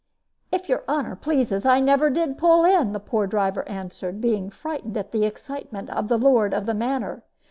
"If your honor pleases, I never did pull in," the poor driver answered, being frightened at the excitement of the lord of the manor.